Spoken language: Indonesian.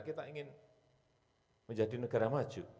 kita ingin menjadi negara maju